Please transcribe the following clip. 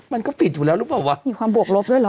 มันก็ปิดอยู่แล้วหรือเปล่าวะมีความบวกลบด้วยเหรอ